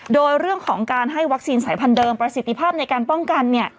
โดยเรื่องของการให้วัคซีนสายพันธุเดิมประสิทธิภาพในการป้องกัน